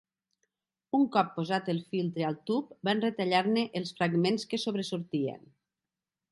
Un cop posat el filtre al tub, van retallar-ne els fragments que sobresortien.